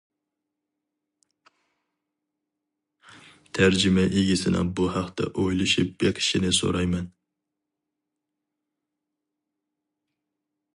تەرجىمە ئىگىسىنىڭ بۇ ھەقتە ئويلىشىپ بېقىشىنى سورايمەن.